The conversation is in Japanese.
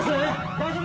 大丈夫？